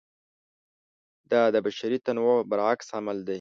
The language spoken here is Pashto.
دا د بشري تنوع برعکس عمل دی.